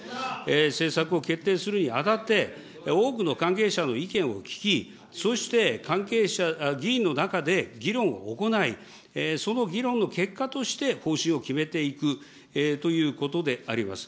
政策を決定するにあたって、多くの関係者の意見を聞き、そして議員の中で議論を行い、その議論の結果として方針を決めていくということであります。